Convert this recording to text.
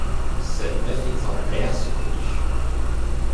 Seuls neuf exemplaires sont connus.